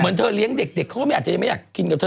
เธอเลี้ยงเด็กเขาก็ไม่อาจจะยังไม่อยากกินกับเธอ